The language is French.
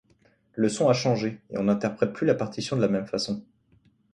Le son a changé, et on n'interprète plus la partition de la même façon.